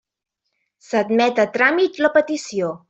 S'admet a tràmit la petició.